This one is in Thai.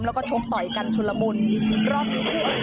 แล้วก็ชกต่อยกันชุดละมุนรอบนี้คู่อริจักรเตยออกมา